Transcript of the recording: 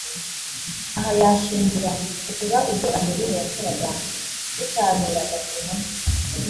aha yashingira ku kuba ibyo Adeline yakoraga bitaberaga mu ruhame